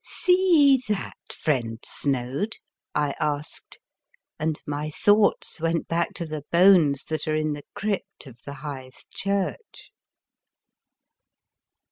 "See ye that, friend Snoad?" I asked, and my thoughts went back to the bones that are in the crypt of the Hythe Church.